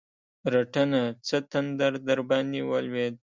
رټنه؛ څه تندر درباندې ولوېد؟!